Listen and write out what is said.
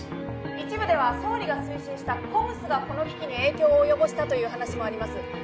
一部では総理が推進したＣＯＭＳがこの危機に影響を及ぼしたという話もあります